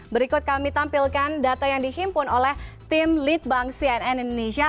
berikut kami tampilkan data yang dihimpun oleh tim lead bank cnn indonesia